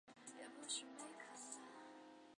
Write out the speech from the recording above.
渣甸以其专横高傲而知名。